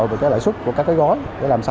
và cái lợi xuất của các cái gói để làm sao